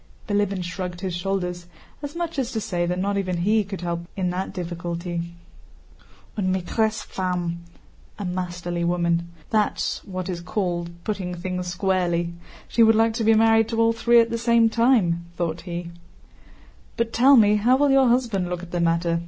Bilíbin shrugged his shoulders, as much as to say that not even he could help in that difficulty. "Une maîtresse femme! * That's what is called putting things squarely. She would like to be married to all three at the same time," thought he. * A masterly woman. "But tell me, how will your husband look at the matter?"